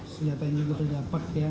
senjata yang sudah terdapat ya